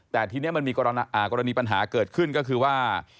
แต่ทีนี้มันมีกรณีปัญหาเกิดขึ้นก็คือว่า